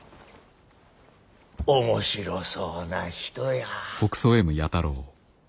面白そうな人や。